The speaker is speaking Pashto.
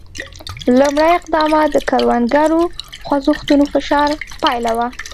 لومړي اقدامات د کروندګرو خوځښتونو فشار پایله وه.